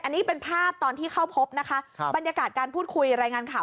อันนี้เป็นภาพตอนที่เข้าพบนะคะบรรยากาศการพูดคุยรายงานข่าว